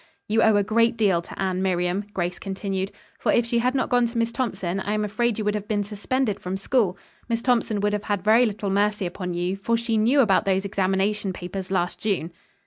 "You owe a great deal to Anne, Miriam," Grace continued, "for if she had not gone to Miss Thompson I am afraid you would have been suspended from school. Miss Thompson would have had very little mercy upon you, for she knew about those examination papers last June."